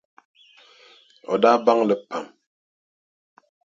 O daa baŋ li pam.